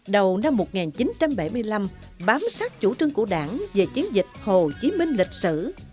đầu năm một nghìn chín trăm bảy mươi năm bám sát chủ trương của đảng về chiến dịch hồ chí minh lịch sử